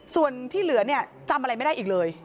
ส่วนที่เหลือเนี่ยจำอะไรไม่ได้อีกเลย